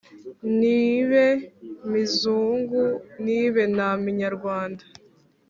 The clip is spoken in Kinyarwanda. ntibe mizungu, ntibe na minyarwanda!